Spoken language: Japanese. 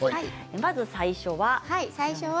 まず最初は。